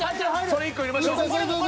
それ１個入れましょう。